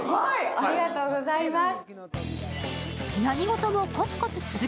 ありがとうございます。